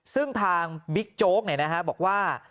ซึ่งทางบิ๊กโจ๊กเนี่ยนะฮะบอกว่า